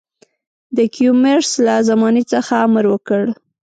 د کیومرث له زمانې څخه امر وکړ.